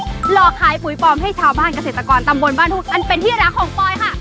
หลอกขายปุ๋ยปลอมให้ชาวบ้านเกษตรกรตำบลบ้านทุ่งอันเป็นที่รักของปลอยค่ะ